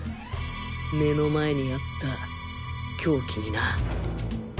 目の前にあった凶器にな！